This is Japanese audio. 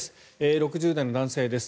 ６０代の男性です。